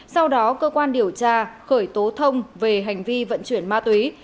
sau đó cơ quan điều tra khởi tố thông về hành vi vận chuyển ma túy